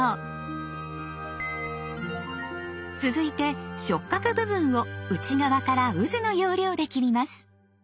続いて触角部分を内側からうずの要領で切ります。